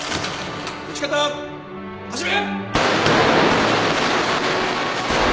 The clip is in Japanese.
撃ち方始め！